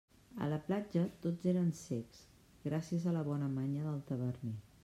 A la platja tots eren cecs, gràcies a la bona manya del taverner.